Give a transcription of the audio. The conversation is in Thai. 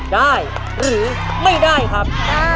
ได้หรือไม่ได้ครับ